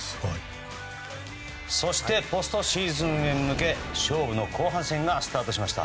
そしてポストシーズンへ向け勝負の後半戦がスタートしました。